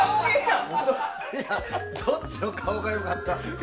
どっちの顔が良かった？